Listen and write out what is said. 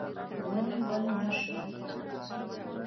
ونیول نه شول.